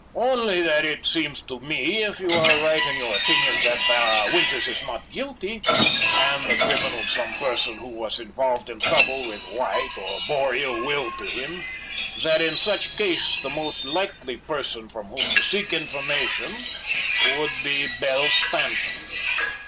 "Only that it seems to me if you be right in your opinion that Winters is not guilty, and the criminal some person who was involved in trouble with White or bore ill will to him, that in such case the most likely person from whom to seek information should be Belle Stanton."